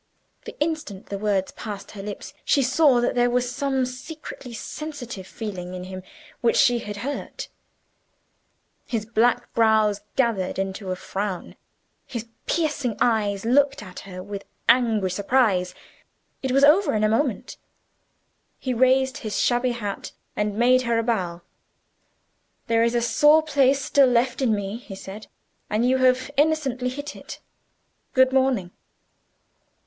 The instant the words passed her lips, she saw that there was some secretly sensitive feeling in him which she had hurt. His black brows gathered into a frown, his piercing eyes looked at her with angry surprise. It was over in a moment. He raised his shabby hat, and made her a bow. "There is a sore place still left in me," he said; "and you have innocently hit it. Good morning."